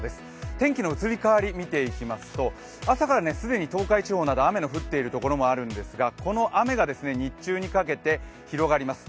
天気の移り変わりを見ていきますと、朝から既に東海地方など雨の降っている所もあるんですが、この雨が日中にかけて広がります。